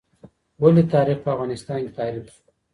ولې تاریخ په افغانستان کې تحریف سو؟